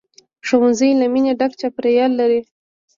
ښوونځی له مینې ډک چاپېریال لري